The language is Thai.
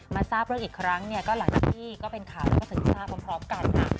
มาทราบเรื่องอีกครั้งเนี่ยก็หลังจากนี้ก็เป็นข่าวว่าถึงทราบพร้อมพร้อมกันอะ